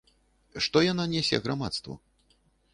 Што яна нясе грамадству?